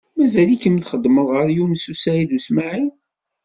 Mazal-ikem txeddmed ɣer Yunes u Saɛid u Smaɛil?